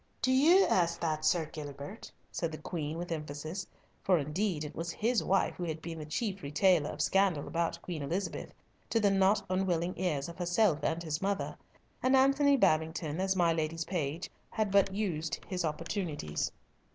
"Do you ask that, Sir Gilbert?" said the Queen with emphasis, for indeed it was his wife who had been the chief retailer of scandal about Queen Elizabeth, to the not unwilling ears of herself and his mother; and Antony Babington, as my lady's page, had but used his opportunities.